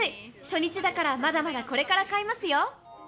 初日だからまだまだこれから買いますよ。